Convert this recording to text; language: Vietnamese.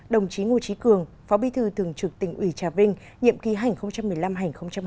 đồng chí ngô trí cường phó bí thư thường trực tỉnh ủy trà vinh nhiệm ký hành một mươi năm hai nghìn hai mươi